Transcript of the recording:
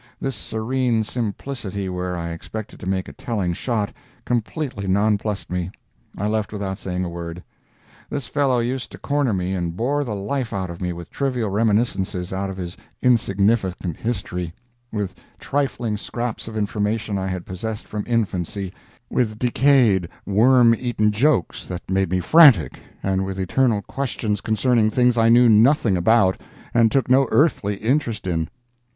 This serene simplicity where I expected to make a telling shot, completely nonplussed me. I left without saying a word. This fellow used to corner me and bore the life out of me with trivial reminiscences out of his insignificant history; with trifling scraps of information I had possessed from infancy; with decayed, worm eaten jokes that made me frantic, and with eternal questions concerning things I knew nothing about and took no earthly interest in.